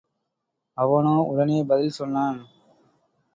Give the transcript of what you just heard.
அவனோ உடனே பதில் சொன்னான்.